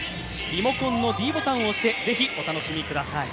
リモコンのｄボタンを押してぜひお楽しみください。